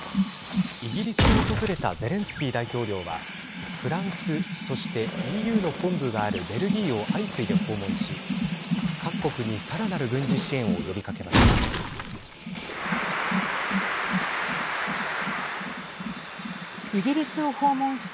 イギリスを訪れたゼレンスキー大統領はフランスそしてＥＵの本部があるベルギーを相次いで訪問し各国にさらなる軍事支援を呼びかけました。